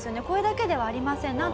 これだけではありません。